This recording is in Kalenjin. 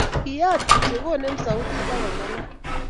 Kiyaat kityo, konemu sautit agongalal